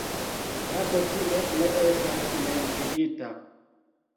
Dato tie ne estas menciita.